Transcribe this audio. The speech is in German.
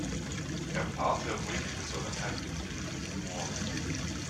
Er paarte ruhige Besonnenheit mit mildem Humor.